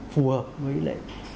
phù hợp với lệnh